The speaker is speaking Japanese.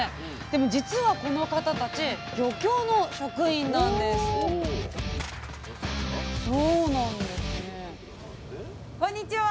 でも実はこの方たち漁協の職員なんですこんにちは。